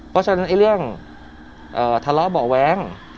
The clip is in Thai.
เพราะฉะนั้นเรื่องทะเลาะเบาะแว้ง